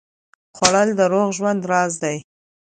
خوړل د روغ ژوند راز دی